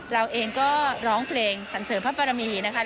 เราเองก็ร้องเพลงสั่นเสริมภาพประมีนะครับ